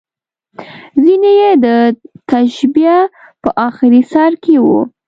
ځینې یې د تشبیه په اخري سر کې وو.